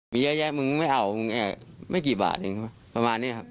มีเยอะแยะมึงไม่เอามึงไม่กี่บาทเองประมาณนี้ครับ